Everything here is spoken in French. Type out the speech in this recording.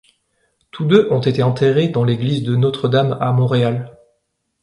Tous deux ont été enterrés dans l'église de Notre-Dame à Montréal.